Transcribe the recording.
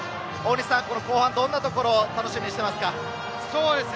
後半、どんなところを楽しみにしていますか？